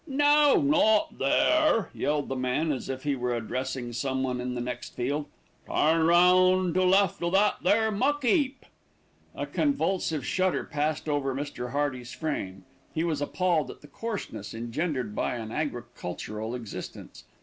"No, not there," yelled the man, as if he were addressing someone in the next field. "Turn round to left o' that there muck 'eap." A convulsive shudder passed over Mr. Hearty's frame. He was appalled at the coarseness engendered by an agricultural existence.